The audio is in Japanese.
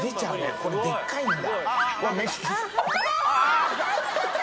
これでっかいんだ。